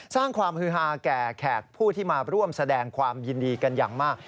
สร้างความฮือฮาแก่แขกผู้ที่มาร่วมแสดงความยินดีกันอย่างมาก